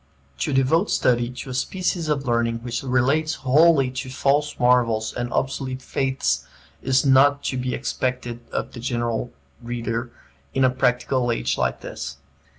To devote study to a species of learning which relates wholly to false marvels and obsolete faiths is not to be expected of the general reader in a practical age like this.